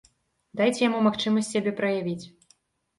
Дайце яму магчымасць сябе праявіць.